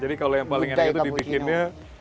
jadi kalau yang paling enak itu dibikinnya